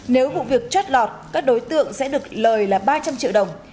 nếu vụ việc chót lọt các đối tượng sẽ được lời là ba trăm linh triệu đồng